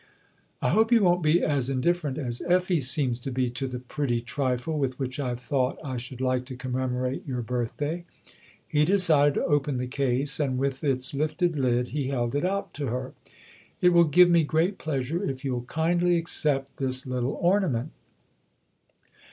" I hope you won't be as indifferent as Effie seems to be to the pretty trifle with which I've thought I should like to commemorate your birthday." He decided to open the case and with its lifted lid he held it out to her. " It will give me great pleasure if you'll kindly accept this little ornament."